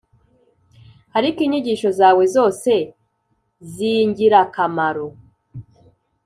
ariko inyigisho zawe zose zingirakamaro